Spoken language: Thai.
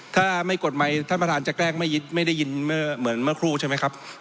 ถ้าไม่กดไมค์ท่านประธานจะแกล้งไม่ยึดไม่ได้ยินเหมือนเมื่อครู่ใช่ไหมครับ